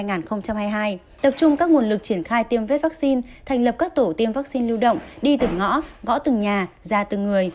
tập trung các nguồn lực triển khai tiêm vết vaccine thành lập các tổ tiêm vaccine lưu động đi từng ngõ gõ từng nhà ra từng người